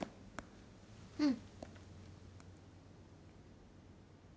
うん